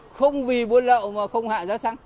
không vì buôn lậu mà không hạ giá xăng